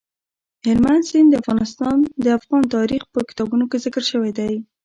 هلمند سیند د افغان تاریخ په کتابونو کې ذکر شوی دی.